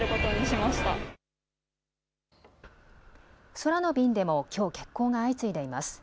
空の便でもきょう、欠航が相次いでいます。